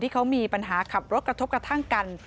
ที่เขามีปัญหาขับรถกระทบกับท่างกัน